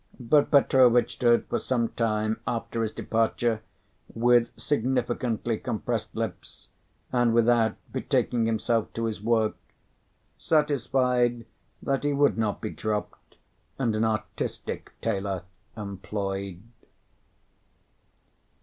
But Petrovitch stood for some time after his departure, with significantly compressed lips, and without betaking himself to his work, satisfied that he would not be dropped, and an artistic tailor employed.